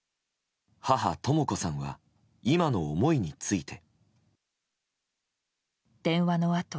母とも子さんは今の思いについて。